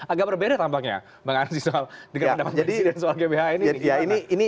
agak berbeda tampaknya bang arief di soal gbhn ini